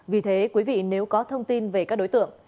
vì thế quý vị nếu có thông tin về các đối tượng